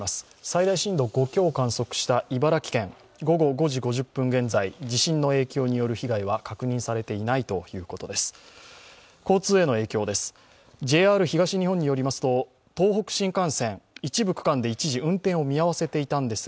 最大震度５強を観測した茨城県、午後５時５０分現在地震による被害は出ていないということです。